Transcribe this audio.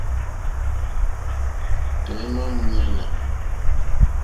Tɔ̀ímá !múɲánà.